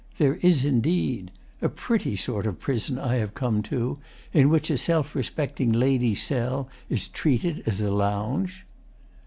] There is indeed! A pretty sort of prison I have come to, In which a self respecting lady's cell Is treated as a lounge!